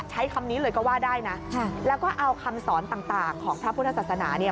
ใช้คำนี้เลยก็ว่าได้นะแล้วก็เอาคำสอนต่างของพระพุทธศาสนาเนี่ย